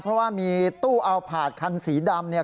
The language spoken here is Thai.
เพราะว่ามีตู้เอาผาดคันสีดำเนี่ย